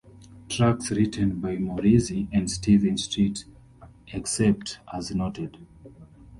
Tracks written by Morrissey and Stephen Street except as noted.